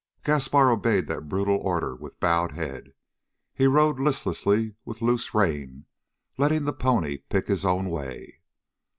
John Gaspar obeyed that brutal order with bowed head. He rode listlessly, with loose rein, letting the pony pick its own way.